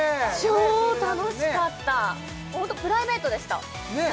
超楽しかったホントプライベートでしたねえ